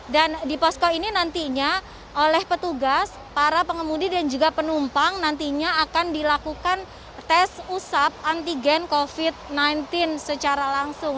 dan di posko ini nantinya oleh petugas para pengemudi dan juga penumpang nantinya akan dilakukan tes usap antigen covid sembilan belas secara langsung